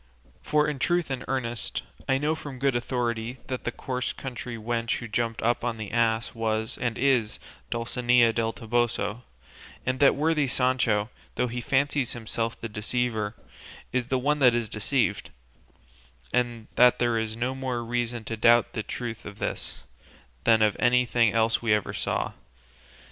For in truth and earnest, I know from good authority that the coarse country wench who jumped up on the ass was and is Dulcinea del Toboso, and that worthy Sancho, though he fancies himself the deceiver, is the one that is deceived; and that there is no more reason to doubt the truth of this, than of anything else we never saw.